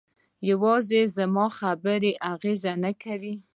یوازې زما خبرې اغېزه نه کوي.